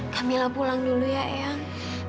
camillah pulang dulu ya eyang